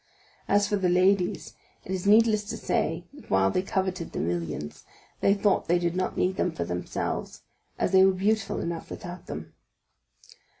As for the ladies, it is needless to say that while they coveted the millions, they thought they did not need them for themselves, as they were beautiful enough without them.